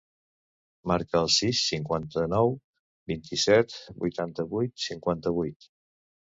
Marca el sis, cinquanta-nou, vint-i-set, vuitanta-vuit, cinquanta-vuit.